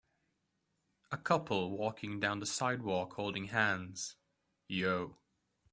A couple walking down the sidewalk holding hands. Yo